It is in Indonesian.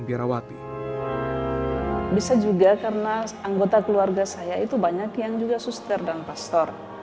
bisa juga karena anggota keluarga saya itu banyak yang juga suster dan pastor